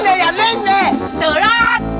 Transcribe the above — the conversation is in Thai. เจอราช